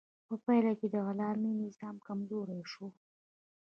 په پایله کې د غلامي نظام کمزوری شو.